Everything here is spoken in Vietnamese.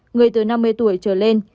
người từ năm mươi tuổi trở lên